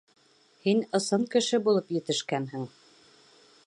Һин ысын кеше булып етешкәнһең...